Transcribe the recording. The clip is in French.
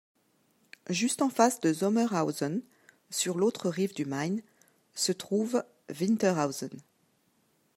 Juste en face de Sommerhausen sur l'autre rive du Main se trouve Winterhausen.